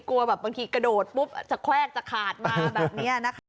กลัวแบบบางทีกระโดดปุ๊บจะแควกจะขาดมาแบบนี้นะคะ